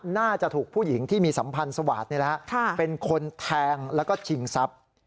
น่าจะถูกผู้หญิงที่มีสัมพันธ์สวาสตร์เป็นคนแทงแล้วก็ชิงทรัพย์